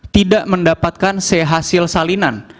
tidak mendapatkan c hasil salinan